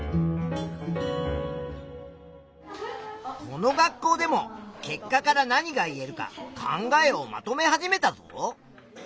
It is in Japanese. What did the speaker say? この学校でも結果から何が言えるか考えをまとめ始めたぞ。